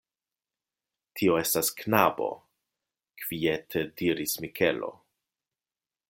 Tio estas knabo, kviete diris Mikelo.